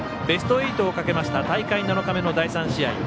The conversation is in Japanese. ベスト８をかけました大会７日目の第３試合。